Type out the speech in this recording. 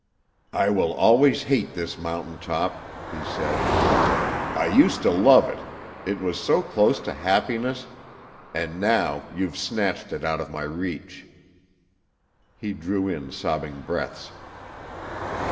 "I will always hate this mountain top," he said. "I used to love it. I was so close to happiness, and now you've snatched it out of my reach." He drew in sobbing breaths.